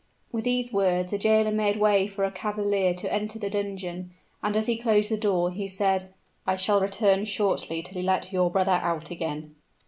"With these words the jailer made way for a cavalier to enter the dungeon;" and as he closed the door, he said, "I shall return shortly to let your brother out again."